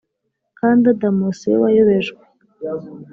Kandi Adamu si we wayobejwe